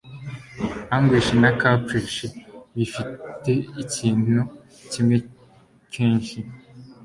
Anguish na caprice bifite ikintu kimwe kenshi